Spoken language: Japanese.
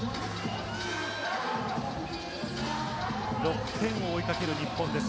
６点を追いかける日本です。